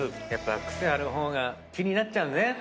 やっぱ癖ある方が気になっちゃうね。